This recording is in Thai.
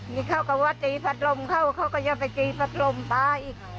นี่เขาเขาว่าตีภัตรมเข้าเขาก็จะไปตีภัตรมไป